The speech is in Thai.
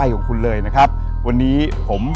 ของคุณเลยนะครับวันนี้ผม